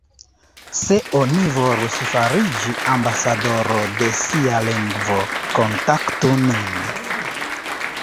Se oni volus fariĝi ambasadoro de sia lingvo, kontaktu nin.